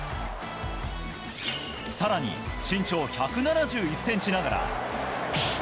さらに身長１７１センチながら。